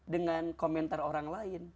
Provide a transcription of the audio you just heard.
dengan komentar orang lain